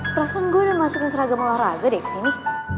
perasaan gue udah masukin seragam olahraga deh kesini